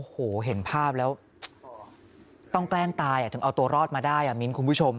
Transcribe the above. โอ้โหเห็นภาพแล้วต้องแกล้งตายถึงเอาตัวรอดมาได้อ่ะมิ้นคุณผู้ชม